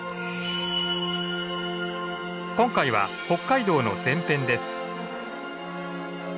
今回は北海道の前編です。